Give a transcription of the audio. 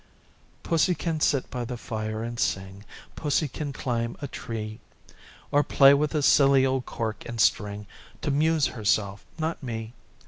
PUSSY can sit by the fire and sing, Pussy can climb a tree, Or play with a silly old cork and string To'muse herself, not me.